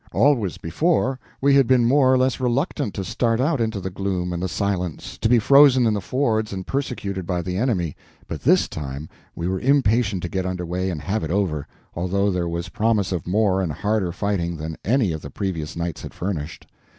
Always before, we had been more or less reluctant to start out into the gloom and the silence to be frozen in the fords and persecuted by the enemy, but this time we were impatient to get under way and have it over, although there was promise of more and harder fighting than any of the previous nights had furnished.